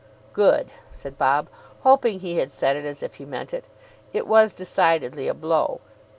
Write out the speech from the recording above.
"Good," said Bob, hoping he had said it as if he meant it. It was decidedly a blow.